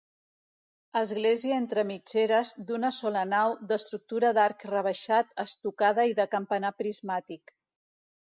Església entre mitgeres, d'una sola nau, d'estructura d'arc rebaixat, estucada i de campanar prismàtic.